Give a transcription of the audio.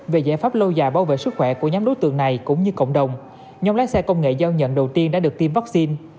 về giải pháp lâu dài bảo vệ sức khỏe của nhóm đối tượng này cũng như cộng đồng nhóm lái xe công nghệ giao nhận đầu tiên đã được tiêm vaccine